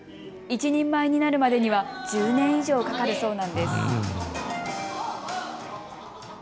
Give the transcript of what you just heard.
一人前になるまでには１０年以上かかるそうなんです。